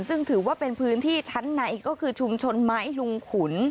ซึ่งถือว่าเป็นพื้นที่ชั้นในก็คือชุมชนไม้ลุงขุน